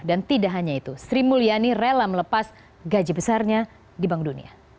dan tidak hanya itu sri mulyani rela melepas gaji besarnya di bank dunia